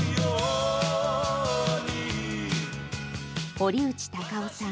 堀内孝雄さん